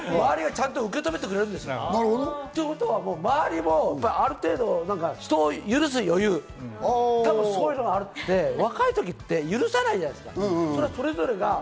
周りが受けとめてくれるんですよ。ということは周りもある程度、人を許す余裕、多分、そういうのがあるので、若い時って許さないじゃないですか、それぞれが。